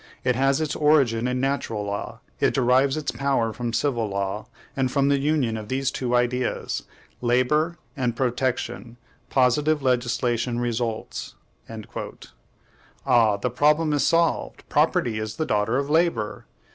It has its origin in natural law; it derives its power from civil law; and from the union of these two ideas, LABOR and PROTECTION, positive legislation results."... Ah! THE PROBLEM IS SOLVED! PROPERTY IS THE DAUGHTER OF LABOR!